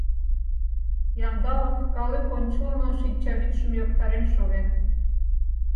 Яндалов калык ончылно шинчавӱдшым йоктарен шоген: